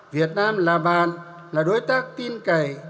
việt nam là bàn là đối tác tin cậy